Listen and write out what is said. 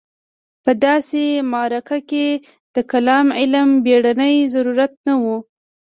په داسې معرکه کې د کلام علم بېړنی ضرورت نه و.